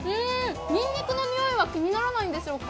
にんにくのにおいは気にならないんでしょうか？